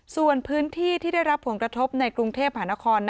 ส่วนพื้นที่ที่ได้รับผลกระทบในกรุงเทพหานคร